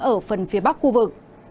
ở phần phía bắc khu vực